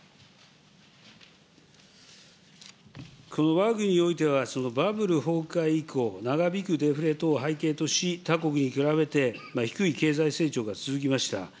わが国においては、バブル崩壊以降、長引くデフレ等を背景とし、他国に比べて低い経済成長が続きました。